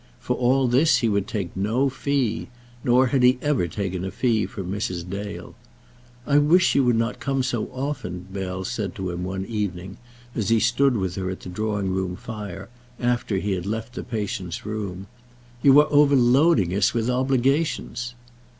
For all this he would take no fee; nor had he ever taken a fee from Mrs. Dale. "I wish you would not come so often," Bell said to him one evening, as he stood with her at the drawing room fire, after he had left the patient's room; "you are overloading us with obligations."